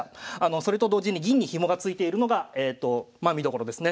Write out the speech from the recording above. それと同時に銀にヒモがついているのが見どころですね。